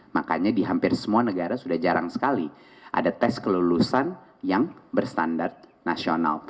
makanya di hampir semua negara sudah jarang sekali ada tes kelulusan yang berstandar nasional